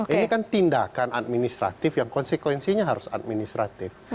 ini kan tindakan administratif yang konsekuensinya harus administratif